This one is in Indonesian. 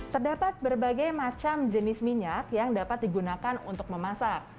terdapat berbagai macam jenis minyak yang dapat digunakan untuk memasak